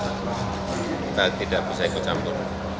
kita tidak bisa ikut campur